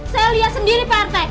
saya lihat sendiri prt